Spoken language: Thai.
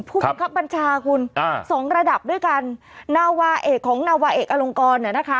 ผู้บังคับบัญชาคุณอ่าสองระดับด้วยกันนาวาเอกของนาวาเอกอลงกรเนี่ยนะคะ